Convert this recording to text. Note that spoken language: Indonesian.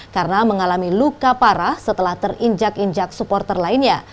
karena mengalami luka parah setelah terinjak injak supporter lainnya